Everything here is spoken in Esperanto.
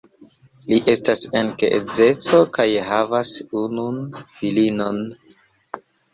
Li estas en geedzeco kaj havas unun filinon.